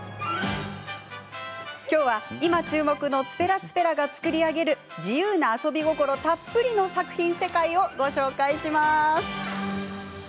きょうは、今注目のｔｕｐｅｒａｔｕｐｅｒａが作り上げる自由な遊び心たっぷりの作品世界をご紹介します。